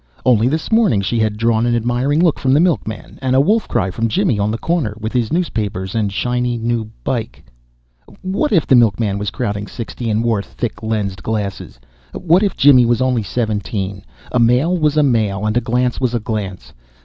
Only this morning she had drawn an admiring look from the milkman and a wolf cry from Jimmy on the corner, with his newspapers and shiny new bike. What if the milkman was crowding sixty and wore thick lensed glasses? What if Jimmy was only seventeen? A male was a male, and a glance was a glance.